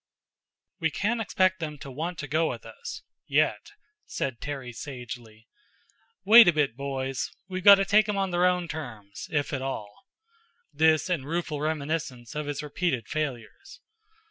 "We can't expect them to want to go with us yet," said Terry sagely. "Wait a bit, boys. We've got to take 'em on their own terms if at all." This, in rueful reminiscence of his repeated failures.